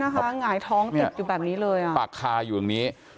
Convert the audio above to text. หงายท้องเต็บอยู่แบบนี้เลย